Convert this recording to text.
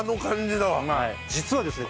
実はですね